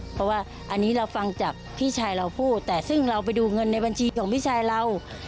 เพราะว่าอันนี้เราฟังจากพี่ชายเราพูดแต่ซึ่งเราไปดูเงินในบัญชีของพี่ชายเรา